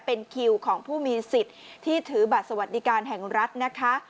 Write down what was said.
เป็นคิวของผู้มีสิทธิ์ที่ถือบัตรสวัสดิการแห่งรัฐนะคะ